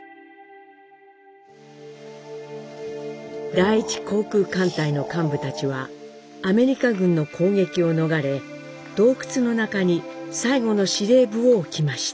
第一航空艦隊の幹部たちはアメリカ軍の攻撃を逃れ洞窟の中に最後の司令部を置きました。